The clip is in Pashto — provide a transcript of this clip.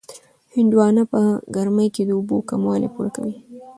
هندواڼه په ګرمۍ کې د اوبو کموالی پوره کوي.